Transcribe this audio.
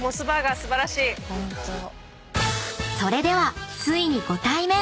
［それではついにご対面！］